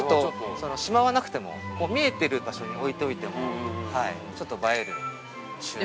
しまわなくても、見える場所に置いておいてもちょっと映える、収納に。